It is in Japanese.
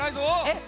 え？